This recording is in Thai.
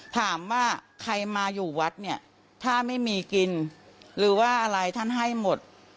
ถามว่าใครมาอยู่วัดเนี่ยถ้าไม่มีกินหรือว่าอะไรท่านให้หมด